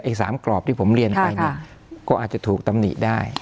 ๓กรอบที่ผมเรียนไปเนี่ยก็อาจจะถูกตำหนิได้